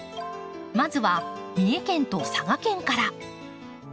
まずは三重県と佐賀県から。